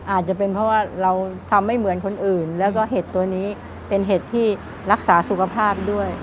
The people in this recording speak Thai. อาจจะเป็นเพราะว่าเราทำไม่เหมือนคนอื่นแล้วก็เห็ดตัวนี้เป็นเห็ดที่รักษาสุขภาพด้วย